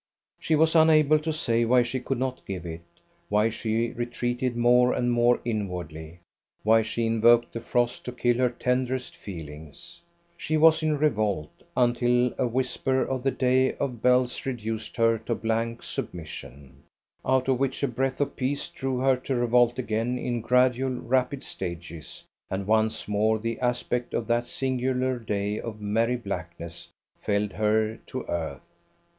She was unable to say why she could not give it; why she retreated more and more inwardly; why she invoked the frost to kill her tenderest feelings. She was in revolt, until a whisper of the day of bells reduced her to blank submission; out of which a breath of peace drew her to revolt again in gradual rapid stages, and once more the aspect of that singular day of merry blackness felled her to earth.